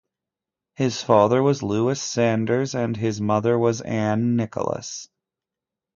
His father was Lewis Sanders, and his mother was Ann Nicholas.